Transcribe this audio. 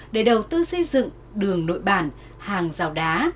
để đầu tư xây dựng đường nội bản hàng rào đá